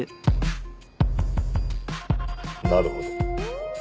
なるほど。